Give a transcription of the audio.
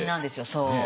そう。